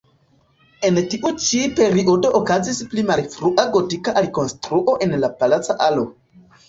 En tiu ĉi periodo okazis pli malfrua gotika alikonstruo en la palaca alo.